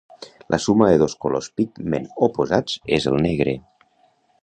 La suma de dos colors pigment oposats és el negre.